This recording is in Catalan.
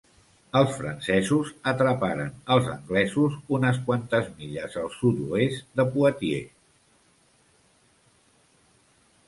Els francesos atraparen els anglesos unes quantes milles al sud-oest de Poitiers.